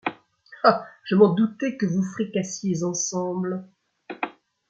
Ah ! je m’en doutais que vous fricassiez ensemble !...